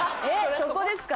そこですか？